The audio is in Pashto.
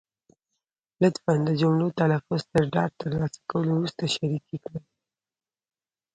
لطفا د جملو تلفظ تر ډاډ تر لاسه کولو وروسته شریکې کړئ.